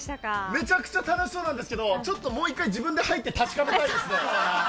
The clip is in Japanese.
めちゃめちゃ楽しそうなんですけどもう１回、自分で入って確かめたいですね。